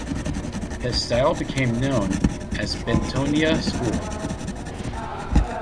His style became known as Bentonia School.